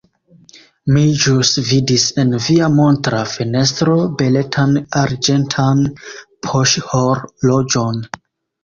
Mi ĵus vidis en via montra fenestro beletan arĝentan poŝhorloĝon.